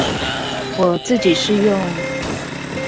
我自己是用